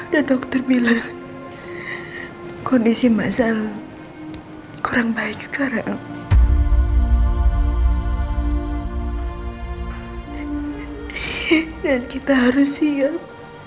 dan dokter bilang kondisi masal kurang baik sekarang dan kita harus siap